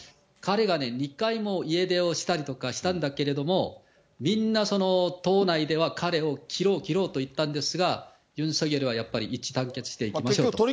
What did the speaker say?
彼がね、２回も家出をしたりしたんだけれども、みんな党内では彼を切ろう、切ろうといったんですが、ユン・ソギョルはやっぱり一致団結していきましょうと。